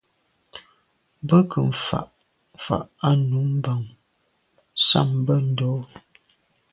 Be ke mfà’ fà’ à num bam s’a be ndô.